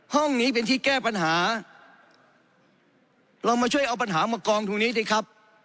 ห้องนี้เป็นที่แก้ปัญหาเรามาช่วยเอาปัญหามากองตรงนี้สิครับ